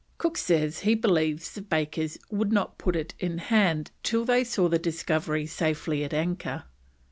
Cook says he believes the bakers would not put it in hand till they saw the Discovery safely at anchor.